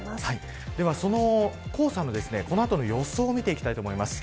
その黄砂の、この後の予想を見ていきたいと思います。